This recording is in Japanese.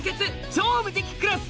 『超無敵クラス』